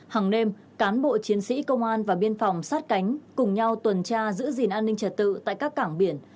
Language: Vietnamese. hàng đêm cán bộ chiến sĩ công an và biên phòng sát cánh cùng nhau tuần tra giữ gìn an ninh trật tự tại các cảng biển